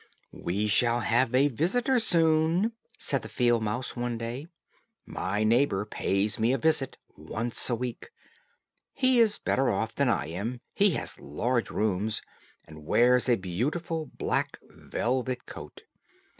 "We shall have a visitor soon," said the field mouse one day; "my neighbor pays me a visit once a week. He is better off than I am; he has large rooms, and wears a beautiful black velvet coat.